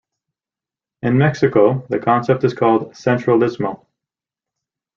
In Mexico the concept is called "centralismo".